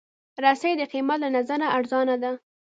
رسۍ د قېمت له نظره ارزانه ده.